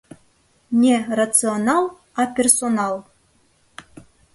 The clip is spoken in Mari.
Не рационал, а персонал.